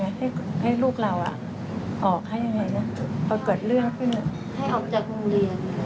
ให้ลูกเราอ่ะออกให้ยังไงนะพอเกิดเรื่องขึ้นให้ออกจากโรงเรียน